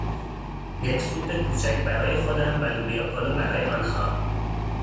یک سوپ کوچک برای خودم و لوبیا پلو برای آنها